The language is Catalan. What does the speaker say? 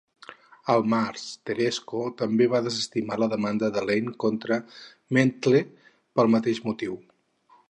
Al març, Tereshko també va desestimar la demanda de Lane contra Mendte pel mateix motiu.